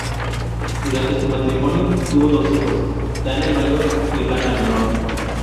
Durante su matrimonio tuvo dos hijos; Dan, el mayor y Ran, la menor.